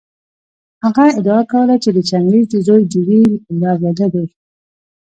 هغه ادعا کوله چې د چنګیز د زوی جوجي له اولاده دی.